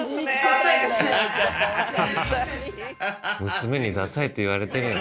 娘にダサいって言われてるよ。